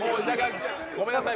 ごめんなさい。